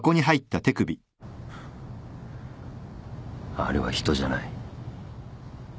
あれは人じゃない。